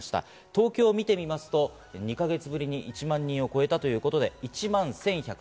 東京を見てみますと、２か月ぶりに１万人を超えたということで、１万１１９６人。